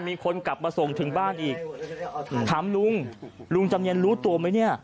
มีคนกลับมาส่งถึงบ้านอีกถามลุงลุงจำเนียนรู้ตัวไหมเนี่ย